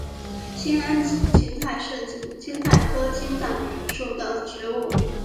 兴安堇菜是堇菜科堇菜属的植物。